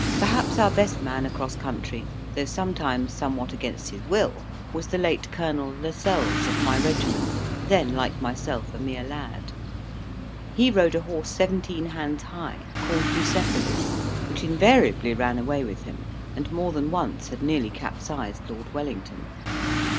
Perhaps our best man across country (though sometimes somewhat against his will) was the late Colonel Lascelles of my regiment, then, like myself, a mere lad. He rode a horse seventeen hands high, called Bucephalus, which invariably ran away with him, and more than once had nearly capsized Lord Wellington.